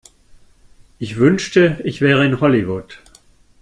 Ich wünschte, ich wäre in Hollywood.